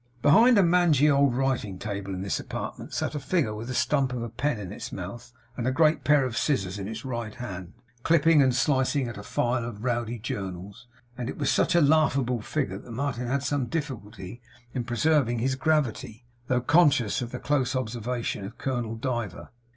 Behind a mangy old writing table in this apartment sat a figure with a stump of a pen in its mouth and a great pair of scissors in its right hand, clipping and slicing at a file of Rowdy Journals; and it was such a laughable figure that Martin had some difficulty in preserving his gravity, though conscious of the close observation of Colonel Diver.